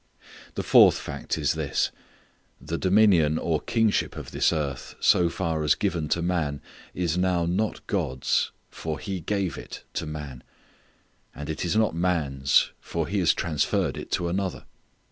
The fourth fact is this: The dominion or kingship of this earth so far as given to man, is now not God's, for He gave it to man. And it is not man's, for he has transferred it to another.